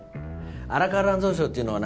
荒川乱造賞っていうのはな